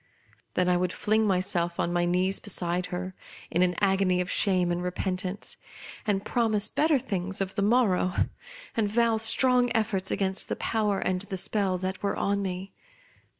Then I would fling myself on my knees beside her, in an agony of shame and repentance, and promise better things of the morrow, and vow strong efforts against the power and the spell that was on me.